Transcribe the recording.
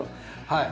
はい。